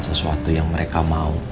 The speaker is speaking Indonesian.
sesuatu yang mereka mau